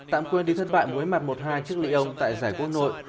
tạm quên đến thất bại mối mặt một hai trước lyon tại giải quốc nội